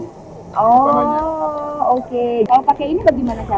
oh oke kalau pakai ini gimana caranya pak